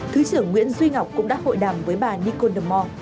thứ trưởng nguyễn duy ngọc cũng đã hội đàm với bà nicole demont